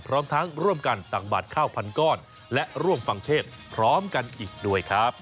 พร้อมทั้งร่วมกันตักบาทข้าวพันก้อนและร่วมฟังเทศพร้อมกันอีกด้วยครับ